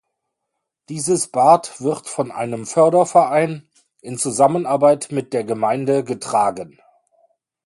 Dieses Bad wird von einem Förderverein in Zusammenarbeit mit der Gemeinde getragen.